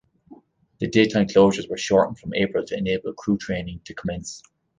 The daytime closures were shortened from April to enable crew training to commence.